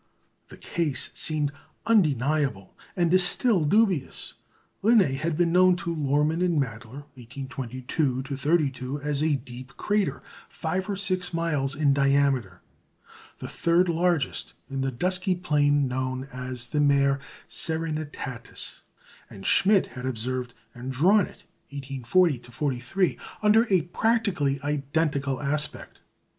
The case seemed undeniable, and is still dubious. Linné had been known to Lohrmann and Mädler, 1822 32, as a deep crater, five or six miles in diameter, the third largest in the dusky plain known as the "Mare Serenitatis"; and Schmidt had observed and drawn it, 1840 43, under a practically identical aspect.